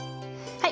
はい。